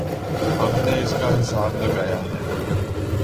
ہم نے اس کا حساب لگا لیا۔